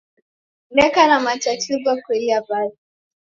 Neka na matatizo kweli aw'ai.